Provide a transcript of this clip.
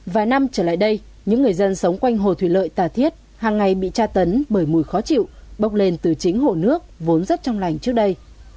vài năm trở lại đây những người dân sống quanh hồ thủy lợi tà thiết hàng ngày bị tra tấn bởi mùi khó chịu bốc lên từ chính hồ nước vốn rất trong lành trước đây